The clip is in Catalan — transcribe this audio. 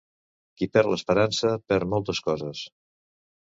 Qui perd l'esperança, perd moltes coses.